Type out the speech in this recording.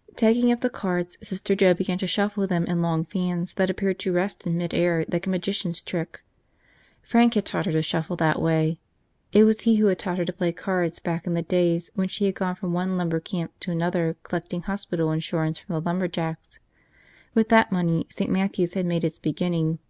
... Taking up the cards, Sister Joe began to shuffle them in long fans that appeared to rest in mid air like a magician's trick. Frank had taught her to shuffle that way. It was he who had taught her to play cards back in the days when she had gone from one lumber camp to another collecting hospital insurance from the lumberjacks. With that money, St. Matthew's had made its beginning.